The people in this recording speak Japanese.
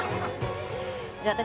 じゃあ私。